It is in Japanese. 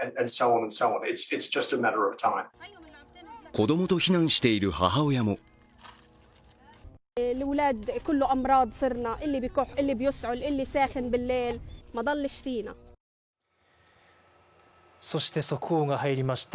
子供と避難している母親もそして速報が入りました。